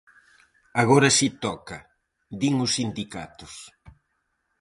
Agora si toca, din os sindicatos.